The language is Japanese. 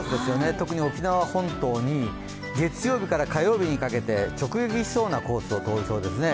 特に沖縄本島に月曜日から火曜日にかけて直撃しそうなコースを通りそうですね。